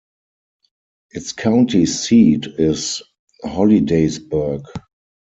Its county seat is Hollidaysburg.